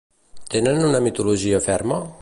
Tenen una mitologia ferma?